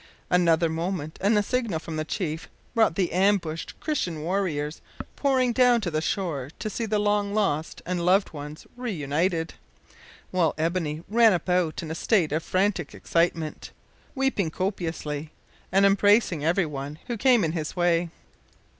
Another moment and a signal from the chief brought the ambushed Christian warriors pouring down to the shore to see the long lost and loved ones reunited, while Ebony ran about in a state of frantic excitement, weeping copiously, and embracing every one who came in his way.